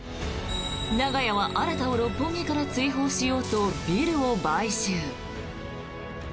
長屋は、新を六本木から追放しようとビルを買収。